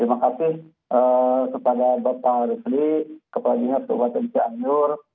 terima kasih pak ibu